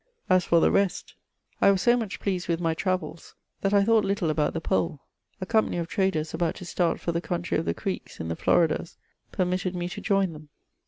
As for the rest, I was so much pleased with my travels that I thought little about the Pole : a company of traders about to start for the country of the Creeks, in the Floridas, permitted me to join them.